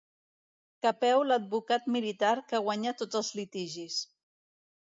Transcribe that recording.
Capeu l'advocat militar que guanya tots els litigis.